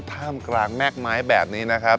ท่ามกลางแม่กไม้แบบนี้นะครับ